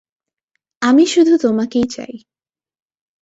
আমি শুধু তোমাকেই চাই।